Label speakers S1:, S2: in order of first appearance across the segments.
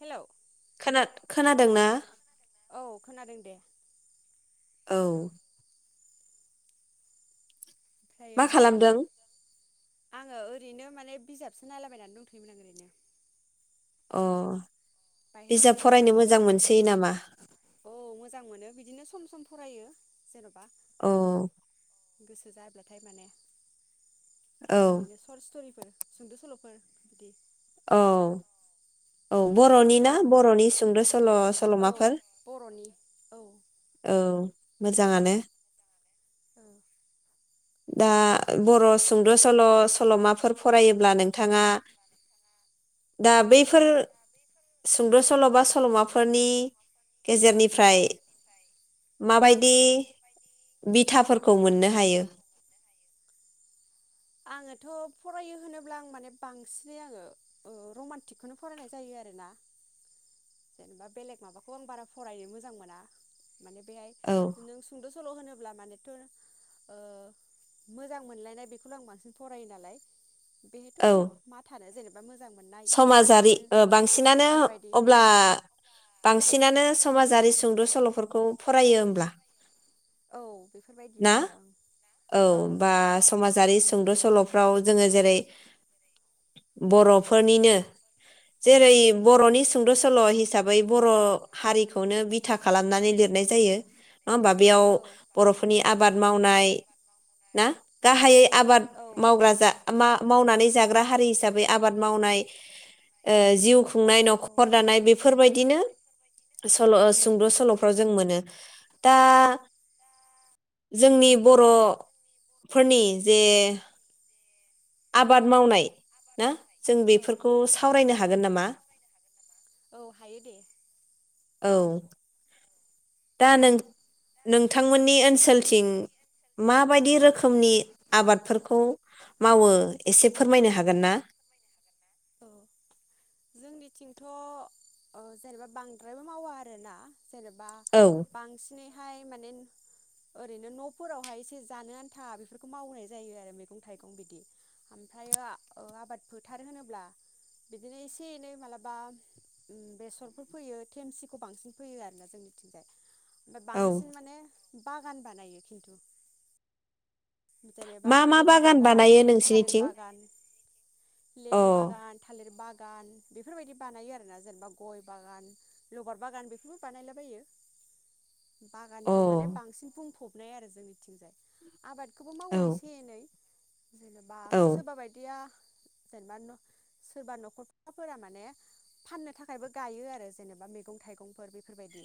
S1: hello
S2: खोनादों ना
S1: औ खोनादों दे
S2: औ
S1: फ्रायो मामोन आङो ओरैनो माने बिजाबसो नायलाबायनानै दंथ'योमोन आं ओरैनो
S2: बिजाब फरायनो मोजां मोनसोयो नामा
S1: मोजां मोनो बिदिनो सम सम फरायो जेन'बा
S2: औ
S1: गोसो जाब्लाथाय माने ओरैनो सर्ट स्ट'रिफोर सुंद' सल'फोर बिदि
S2: औ औ बर'नि ना बर'नि सुंद' स सल' सल'माफोर औ मोजाङानो
S1: [unintelligible]
S2: दा बर' सुंद' सल' सल'माफोर फरायोब्ला नोंथाङा दा बैफोर सुंद' सल' बा सल'माफोरनि गेजेरनिफ्राय माबायदि बिथाफोरखौ मोननो हायो
S1: आङोथ' फरायो होनोब्ला आं माने बांसिनै आङो रमान्टिकखौनो फरायनाय जायो आरोना जेनेबा बेलेग माबाखौ आं बारा फरायनो मोजां मोना माने बेहाय नों सुंद' सल' होनोब्ला मानोथ' ओ मोजां मोनलायनाय बे [unintelligible] आं बांसिन फरायो नालाय बेहायथ' मा थानो जेनेबा
S2: समाजारि ओ बांसिनानो अब्ला बां बासिनानो समाजारि सुंद' सल'फोरखौ फरायो होमब्ला ना औ बा समाजारि सुंद' सल'फ्राव जोङो जेरै बर' फोरनिनो जेरै बर'नि सुंद' सल' हिसाबै बर' हारिखौनो बिथा खालामनानै लिरनाय जायो नङा होमबा बेयाव बर'फोरनि आबाद मावनाय ना गाहाइयै आबाद मावग्रा जा मा मावनानै जाग्रा हारि हिसाबै आब आबाद मावनाय ओ जिउ खुंनाय न'खर दानाय बेफोरबायदि बिदिनो सल' सुंद' सल'फ्राव जों मोनो दा जोंनि बर'फोरनि जे आबाद मावनाय ना जों बेफोरखौ सावरायनो ह हागोन नामा
S1: औ हायो दे
S2: औ दा नों नोंथांमोननि ओनसोलथिं माबायदि रोखोमनि आबादफोरखौ मावो एसे फोरमायनो हागोन ना
S1: औ जोंनिथिंथ ओ जेनेबा बांद्रायबो मावा आरोना जेनेबा बांसिनै हाय माने ओरैनो न'फोरावहाय एसे जानो आन्था बेफोरखौ मावनाय जायो आरो मैगं थाइगं बिदि ओमफ्रायो आबाद फोथार होनोब्ला बिदिनो एसे एनै माबलाबा बेसरफोर फैयो थेमसिखौ बांसिन फैयो आरोना जोंनिथिंजाय ओमफ्राय बांसिन माने बागान बानायो खिन्थु जेनेबा लेबु बागान थालिर बागान लेबु बागान थालिर बागान बागान बेफोरबायदि बानायो आरोना जेनेबा गय बागान लबार बागान बेफोरबो बानायलाबायो बागानजों माने बांसिन बुंफब बुंफनाय आरो जोंनिथिंजाय आबाद बेखौबो मावो एसे एनै जेनेबा सोरबा बायदिया जेनेबा सोरबा न'खरफोरा माने फाननो थाखायबो गायो आरो जेनेबा मैगं थाइगंफोर बेफोरबायदि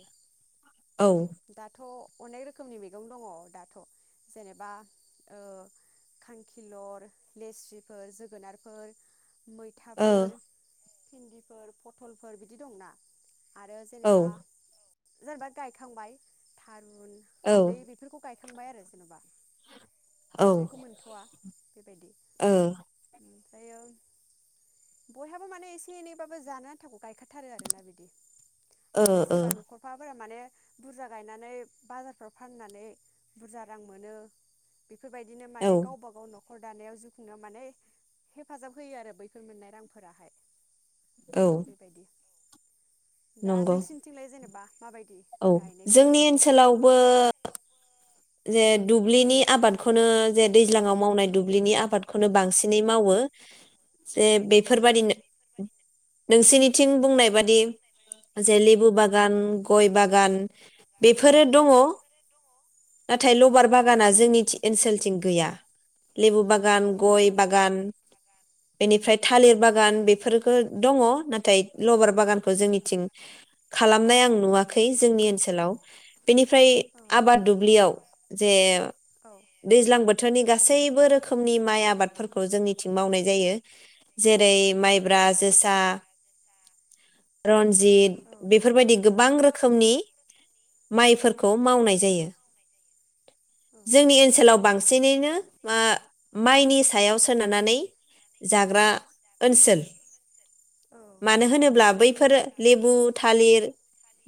S1: दाथ' अनेक रोखोमनि मैगं दङ दाथ' जेनेबा खांखिलर लेस्रिफोर जोगोनारफोर मैथाफोर भिन्दिफोर पथलफोर बिदि दंना आरो जेनेबा जेनेबा गायखांबाय थारुन हालदै बेफोरखौ गायखांबाय आरो जेन'बा दाथ' बेखौ मोनथ'वा बेबायदि ओमफ्रायो बयहाबो माने एसे एनैबाबो जानो आन्थाखौ गायखाथारो आरोना बिदि आरो सोरबा न'खरफा बारा माने बुरजा गायनानै बाजारफ्राव फाननानै बुरजा रां मोनो बेफोरबायदिनो माने गावबा गाव नखर दानायाव जिउ खुंनायाव माने हेफाजाब होयो आरो बैफोर मोननाय रांफोराहाय बेबायदि दा नोंसिनिथिंलाय जेनेबा माबायदि
S2: औ जोंनि ओनसोलावबो जे दुब्लिनि आबादखौनो जे दैज्लाङाव मावनाय दुब्लिनि आबादखौनो बांसिनै मावो जे बेफोरबादि नोंसिनिथिं बुंनाय बादि जे लेबु बागान गय बागान बेफोरो दङ नाथाय लबार बागाना जोंनि ओनसोलथिं गैया लेबु बागान गय बागान बेनिफ्राय थालिर बागान बेफोरखौ दङ नाथाय लबार बागानखौ जोंनिथिं खालामनाय आं नुवाखै जोंनि ओनसोलाव बेनिफ्राय आबाद जे दैज्लां बोथ थोरनि गासैबो रोखोमनि माइ आबादफोरखौ जोंनिथिं मावनाय जायो जेरै माइब्रा जोसा रन्जित बेफोरबायदि गोबां रोखोमनि माइफोरखौ मावनाय जायो जोंनि ओनसोलाव बांसिनैनो मा माइनि सायाव सोनारनानै जाग्रा ओनसोल मानो होनोब्ला बैफोरो लेबु थालिर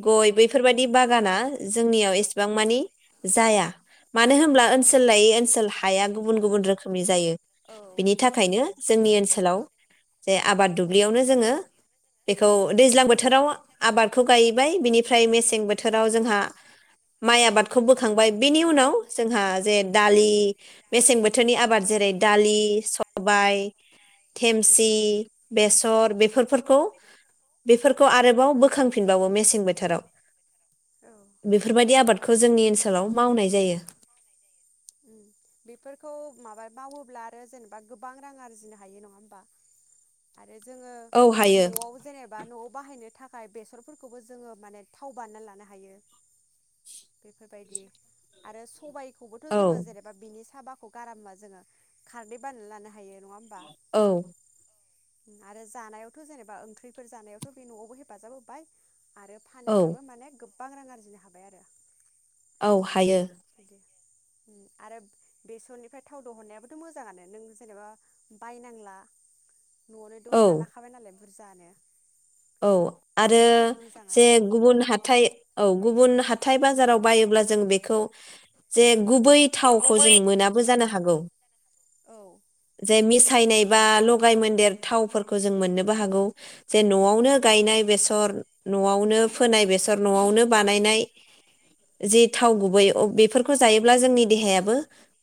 S2: गय बैफोर बायदि बागाना जोंनियाव एसेबां मानि जाया मानो होमब्ला ओनसोल लायै ओनसोल हाया गुबुन गुबुन रोखोमनि जायो बिनि थाखायनो जोंनि ओनसोलाव जे आबाद दुब्लियावनो जोङो बेखौ दैज्लां बो थोराव आबादखौ गायबाय बिनिफ्राय मेसें बोथोराव जोंहा माइ आबाद खौ बोखांबाय बेनि उनाव जोंहा जे दालि मेसें बोथोरनि आबाद जेरै दालि सबाय थेमसि बेसर बे फोर फोरखौ बेफोर खौ आरोबाव बोखांफिनबावो मेसें बोथोराव बेफोरबायदि आबाद खौ जोंनि ओनसोलाव मावनाय जायो
S1: मावोब्ला आरो जेनेबा गोबां रां आरजिनो हायो नङा होमबा आ जोङो न'आव जेनेबा न'आव बाहायनो थाखाय बेसरफोरखौबो जोङो माने थाव बान्ना लानो हायो बेफोरबायदि आरो सबाय खौबोथ' जोङो जेरेबा बिनि साबा खौ गारामबा जोङो खारदै बनानै लानो हायो नङा होमबा आरो जानायावथ' जेनेबा ओंख्रिफोर जानायावथ' बे न'आवबो हेफाजाब होबाय आरो फानोब्लाबो माने गोब बां रां आरजिनो हाबाय आरो
S2: औ हायो
S1: बिदिनो उम आरो बेसरनिफ्राय थाव दहरनायाबोथ' मोजाङानो नों जेनेबा बायनांला न'आवनो द'हना लाखाबाय नालाय बुरजानो
S2: औ आरो जे गुबुन हाथाय औ गुबुन हाथाय बाजाराव बायोब्ला जों बेखौ जे गुबै थावखौ जों मोनाबो जानो हागौ जे मिसायनाय बा लगाय मोनदेर थावफोरखौ जों मोननोबो हागौ जेन न'आवनो गायनाय बेसर न'आवनो फोनाय बेसर न'आवनो बानायनाय जि थाव गुबै बेफोरखौ जायो ब्ला जोंनि देहायाबो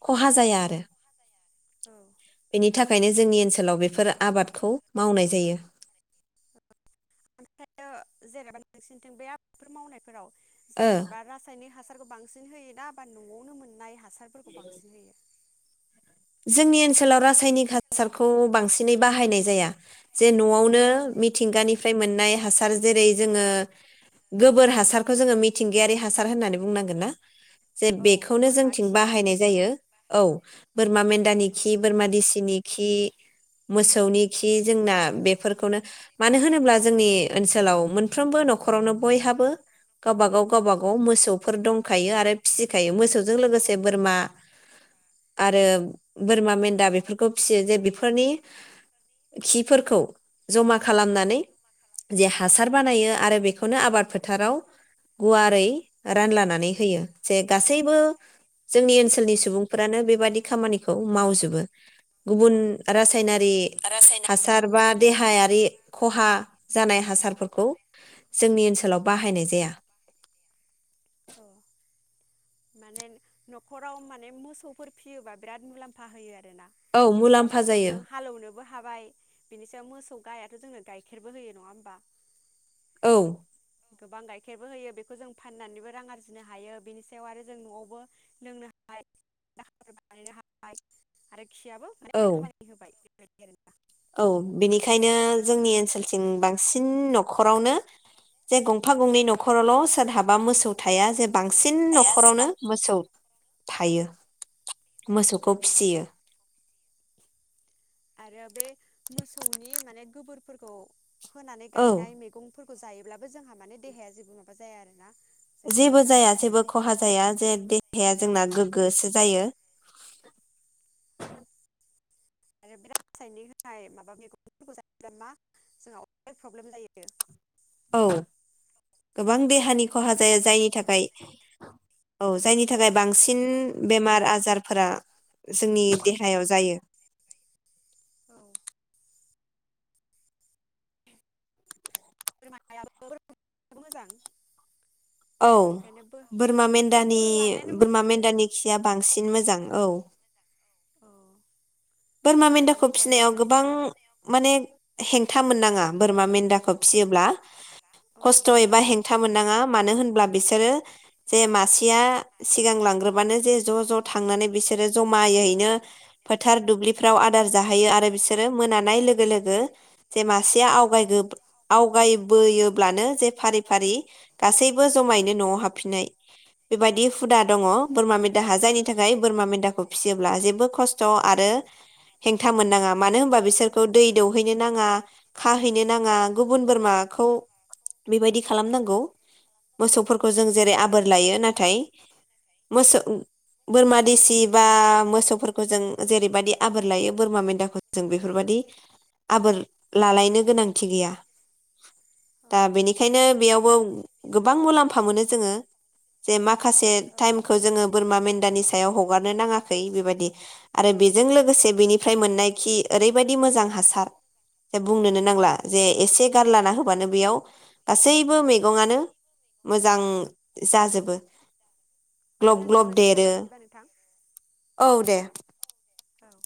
S2: खहा जाया आरो बेनि थाखायनो जोंनि ओनसोलाव बेफोर आबादखौ मावनाय जायो
S1: ओमफ्रायो जेनेबा नोंसिनिथिं बे आबादफोर मावनायफोराव जेनेबा रासायनिक हासारखौ बांसिन होयोना बा न'आवनो मोननाय हासारफोरखौ बांसिन होयो
S2: जोंनि ओनसोलाव रासायनिक हासारखौ बांसिनै बाहायनाय जाया जे न'आवनो मिथिंगानिफ्राय मोननाय हासार जेरै जोङो गोबोर हासारखौ जोङो मिथिंगायारि हासार होननानै बुंनांगोन ना जे बेखौनो जोंथिं बाहायनाय जायो औ बोरमा मेन्दानि खि बोरमा दिसिनि खि मोसौनि खि जोंना बेफोरखौनो मानो होनोब्ला जोंनि ओनसोलाव मोनफ्रोमबो न'खरावनो बयहाबो गावबा गाव गावबागाव मोसौफोर दंखायो आरो फिसिखायो मोसौजों लोगोसे बोरमा आरो बोरमा मेन्दा बेफोरखौ फिसियो जे बेफोरनि खिफोरखौ जमा खालामनानै जे हासार बानायो आरो बेखौनो आबाद फोथाराव गुवारै रानलानानै होयो जे गासैबो जोंनि ओनसोलनि सुबुंफ्रानो बे बेबादि खामानिखौ मावजोबो गुबन रासायनारि हासार बा देहायारि खहा जानाय हासारफोरखौ जोंनि ओनसोलाव बाहायनाय जाया [inaudible]
S1: माने न'खराव माने मोसौफोर फिसियोबा बिराद मुलाम्फा होयो आरो मोसौजों हालौवनोबो हाबाय बिनि सायाव मोसौ गायाथ' जोंनो गाइखेरबो होयो नङा होमबा
S2: औ
S1: गोबां गाइखेरबो होयो बेखौ जों फाननानैबो रां आरजिनो हायो बेनि सायाव आरो जों न'आवबो लोंनो हायो दाखाबो बानायनो हाबाय आरो खियाबो माने खामानि होबाय [unintelligible]
S2: औ बेनिखायनो जोंनि ओनसोलथिं बांसिन न'खरावनो जे गंफा गंनै न'खरावल' सोरहाबा मोसौ थाया जे बांसिन न'खरावनो मोसौ थायो मोसौखौ फिसियो
S1: बे मोसौनि माने गोबोरफोरखौ होनानै गायनाय मैगं फोरखौ जायोब्लाबो जोंहा माने देहाया जेबो माबा जाया आरोना
S2: जेबो जाया जेबो खहा जाया जे देहाया जोंना गोग्गोसो जायो
S1: आरो बिराद रासाइनिक होनाय माबा मैगंफोरखौ जायोब्ला मा जोंहा प्रब्लेम जायो
S2: औ गोबां देहानि खहा जाया जायनि थाखाय औ जायनि थाखाय बांसिन बेमार आजारफोरा जोंनि देहायाव जायो
S1: बोरमाबो मोजां
S2: औ बोरमा मेन्दानि बोरमा मेन्दानि खिया बांसिन मोजां औ बोरमा मेन्दाखौ फिसिनायाव गोबां माने हेंथा मोन नाङा बोरमा मेन दाखौ फियोब्ला खस्थ' एबा हेंथा मोननाङा मानो होनब्ला बिसोरो जे मासेया सिगां लांग्रोबानो जे ज' ज' थांनानै बिसोरो जमायैनो फोथार दुब्लि फ्राव आदार जाहैयो आरो बिसोरो मोनानाय लोगो लोगो जे मासेया आव आवगायबोयोब्लानो जे फारि फारि गासैबो जमायैनो न'आव हाबफिनाय बेबायदि हुदा दङ बोरमा मेन्दाहा जायनि थाखाय बोरमा मेन्दाखौ फिसियोब्ला जेबो खस्थ' आरो हेंथा मोननाङा मानो होनबा बिसोरखौ दै दौहैनो नाङा खाहैनो नाङा गुबुन बोरमाखौ बेबायदि खालामनांगौ मोसौफोरखौ जों जेरै आबोर लायो नाथाय मोसौ बोरमा देसि बा मोसौफोरखौ जों जेरैबायदि फोर लायो बोरमा मेन्दाखौ जों बेफोरबायाददि आबोर लालायनो गोनांथि गैया दा बेनिखायनो बेयाव गोबां मुलामा मोनो जोङो जे माखासे टाइमखौ जोङो बोरमा मेन्दानि सायाव हगारनो नाङाखै बेबायदि आरो बेजों लोगोसे लोगोसे बेनिफ्राय मोननायखि ओरैबायदि मोजां हासार जे बुंनोनो नांला जे एसे गारलाना होबानो बेयाव गासैबो मैगंनो मोजां जाजोबो ग्लब ग्लब देरो औ दे
S1: औ